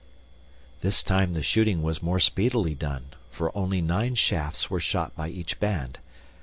This time the shooting was more speedily done, for only nine shafts were shot by each band.